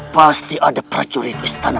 pasti ada prajurit istana berada di sana